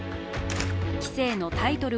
棋聖のタイトル